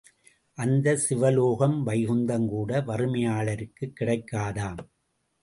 அந்தச் சிவலோகம் வைகுந்தம் கூட வறுமையாளருக்குக் கிடைக்காதாம்.